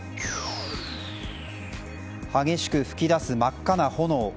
激しく噴き出す真っ赤な炎。